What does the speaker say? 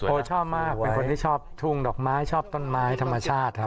ชอบมากเป็นคนที่ชอบทุ่งดอกไม้ชอบต้นไม้ธรรมชาติครับ